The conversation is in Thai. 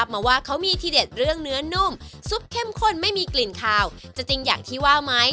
มาว่าเขามีทีเด็ดเรื่องเนื้อนุ่มซุปเข้มข้นไม่มีกลิ่นคาวจะจริงอย่างที่ว่าไหม